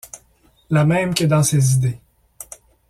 La même que dans ses idées.